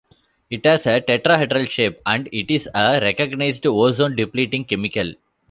It has a tetrahedral shape and it is a recognized ozone-depleting chemical.